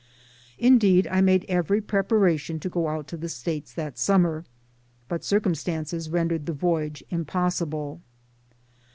Indeed I made every preparation to go out to the States that summer, but circumstances rendered the voyage impossible.